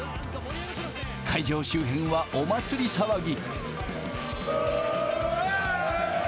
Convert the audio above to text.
会場周辺はお祭り騒ぎ。